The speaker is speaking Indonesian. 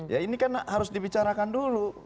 ya ini kan harus dibicarakan dulu